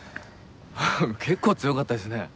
結構強かったですね。